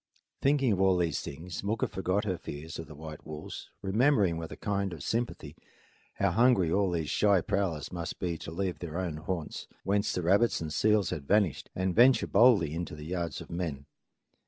Thinking of all these things, Mooka forgot her fears of the white wolves, remembering with a kind of sympathy how hungry all these shy prowlers must be to leave their own haunts, whence the rabbits and seals had vanished, and venture boldly into the yards of men.